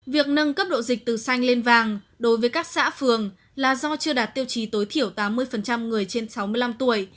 việc nâng cấp độ dịch từ xanh lên vàng đối với các xã phường là do chưa đạt tiêu chí tối thiểu tám mươi người trên sáu mươi năm tuổi